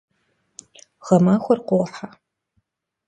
Гъэмахуэр къохьэ.